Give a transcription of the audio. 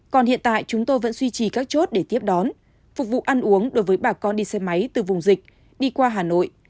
còn hiện tại chúng tôi vẫn duy trì các chốt để tiếp đón phục vụ ăn uống đối với bà con đi xe máy từ vùng dịch đi qua hà nội